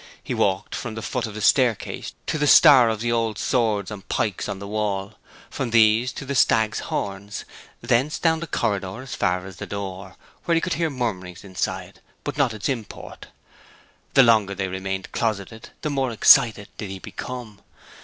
He walked from the foot of the staircase to the star of old swords and pikes on the wall; from these to the stags' horns; thence down the corridor as far as the door, where he could hear murmuring inside, but not its import. The longer they remained closeted the more excited did he become.